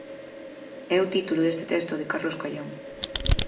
É o título deste texto de Carlos Callón.